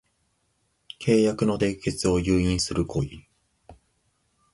契約の締結を誘引する行為